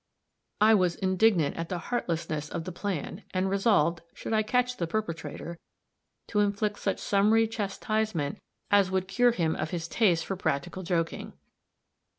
I was indignant at the heartlessness of the plan, and resolved, should I catch the perpetrator, to inflict such summary chastisement, as would cure him of his taste for practical joking.